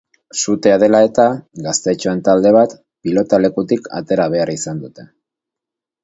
Sutea dela eta, gaztetxoen talde bat pilotalekutik atera behar izan dute.